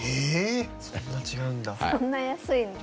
そんな安いんだ。